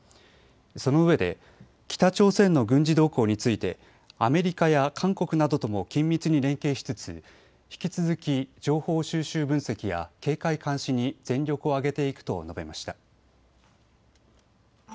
そのうえで、北朝鮮の軍事動向についてアメリカや韓国などとも緊密に連携しつつ、引き続き情報収集分析や警戒監視に全力を挙げていくと述べました。